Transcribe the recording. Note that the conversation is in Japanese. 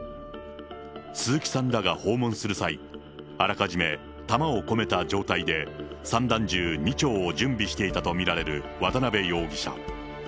鈴木さんらが訪問する際、あらかじめ弾を込めた状態で、散弾銃２丁を準備していたと見られる渡辺容疑者。